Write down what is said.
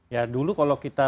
ya dulu kalau kita